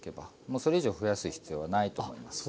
もうそれ以上増やす必要はないと思います。